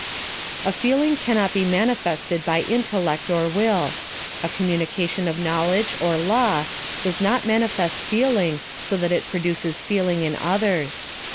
A feeling cannot be manifested by intellect or will. A communication of knowledge, or law, does not manifest feeling so that it produces feeling in others.